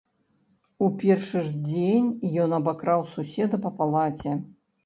У першы ж дзень ён абакраў суседа па палаце.